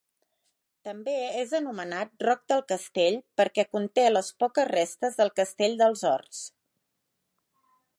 També és anomenat Roc del Castell perquè conté les poques restes del Castell dels Horts.